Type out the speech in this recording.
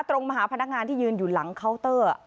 มาหาพนักงานที่ยืนอยู่หลังเคาน์เตอร์